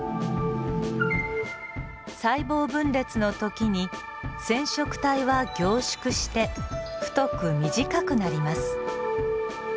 細胞分裂の時に染色体は凝縮して太く短くなります。